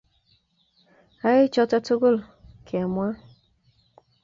Ayae choto tugul kemwa.